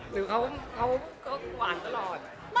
หรือเขาก็หวานตลอด